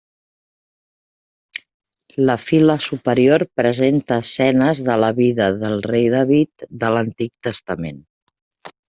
La fila superior presenta escenes de la vida del Rei David de l'Antic Testament.